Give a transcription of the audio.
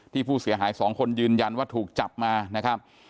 ผู้เสียหายสองคนยืนยันว่าถูกจับมานะครับ